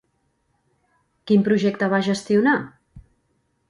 Quin projecte va gestionar?